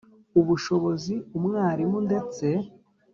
Ubushobozi umwarimu ndetse